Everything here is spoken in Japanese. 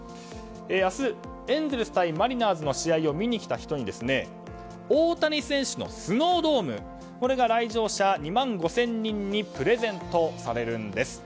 明日、エンゼルス対マリナーズの試合を見に来た人に大谷選手のスノードームこれが来場者２万５０００人にプレゼントされるんです。